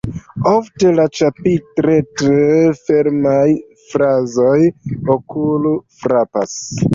Ofte la ĉapitret-fermaj frazoj okul-frapas.